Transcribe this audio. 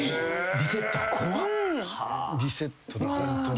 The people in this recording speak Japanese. リセットだホントに。